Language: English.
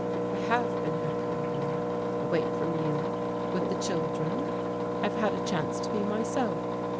"I have been happier here, away from you, with the children; I've had a chance to be myself.